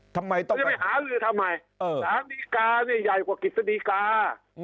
ทำไมต้องไปหาลือทำไมสารดีกาเนี่ยใหญ่กว่ากฤษฎีกา